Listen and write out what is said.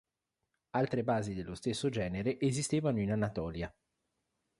Altre basi dello stesso genere esistevano in Anatolia.